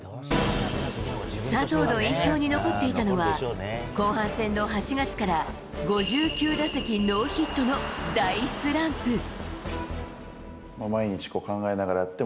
佐藤の印象に残っていたのは後半戦の８月から５９打席ノーヒットの大スランプ。